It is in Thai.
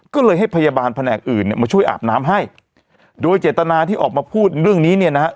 ก็เลยให้พยาบาลแผนกอื่นเนี่ยมาช่วยอาบน้ำให้โดยเจตนาที่ออกมาพูดเรื่องนี้เนี่ยนะฮะ